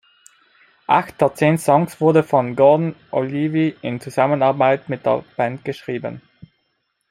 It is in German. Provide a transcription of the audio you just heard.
Acht der zehn Songs wurden von Gordon Ogilvie in Zusammenarbeit mit der Band geschrieben.